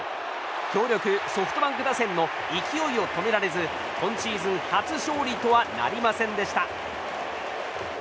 強力ソフトバンク打線の勢いを止められず今シーズン初勝利とはなりませんでした。